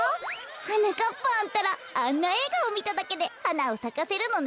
はなかっぱんたらあんなえいがをみただけではなをさかせるのね。